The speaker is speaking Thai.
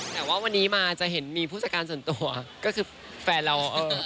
แต่ว่าวันนี้มาจะเห็นมีผู้จัดการส่วนตัวก็คือแฟนเราเออ